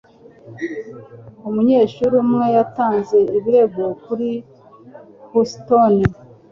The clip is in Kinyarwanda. Umunyeshuri umwe yatanze ibirego kuri Houston